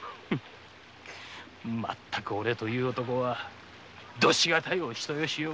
まったく俺という男は度し難いお人よしよ。